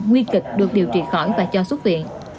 nguy kịch được điều trị khỏi và cho xuất viện